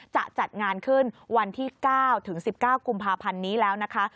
จะจัดงานขึ้นวันที่๙ถึง๑๙กุมภาพันธ์นี้แล้วนะคะ